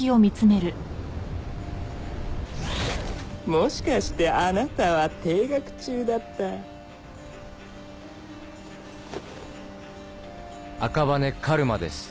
もしかしてあなたは停学中だった赤羽業です